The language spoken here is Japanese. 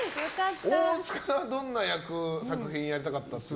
大塚さんはどんな作品をやりたかったんですか？